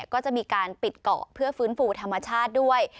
ก็จะมีการปิดเกาะเพื่อฟื้นฟูธรรมชาติด้วย